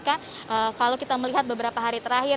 kalau kita melihat beberapa hari terakhir